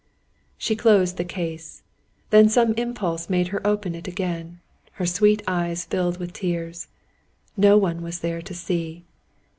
She closed the case. Then some impulse made her open it again. Her sweet eyes filled with tears. No one was there to see.